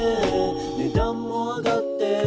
「値段も上がってく」